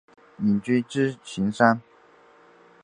隐居支硎山。